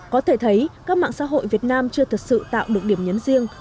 có thể thấy các mạng xã hội việt nam chưa thật sự tạo được điểm nhấn riêng